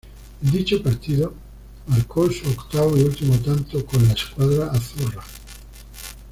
En dicho partido marcó su octavo y último tanto con "La Squadra Azzurra".